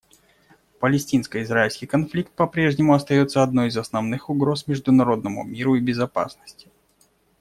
Палестино-израильский конфликт попрежнему остается одной из основных угроз международному миру и безопасности.